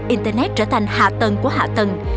internet trở thành hạ tầng của hạ tầng